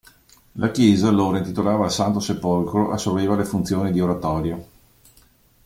La chiesa, allora intitolata al santo Sepolcro, assolveva alle funzioni di oratorio.